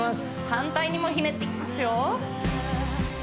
反対にもひねっていきますよ